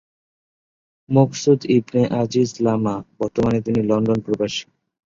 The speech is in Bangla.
মকসুদ ইবনে আজিজ লামা বর্তমানে তিনি লন্ডন প্রবাসী।